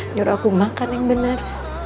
nyuruh aku makan yang benar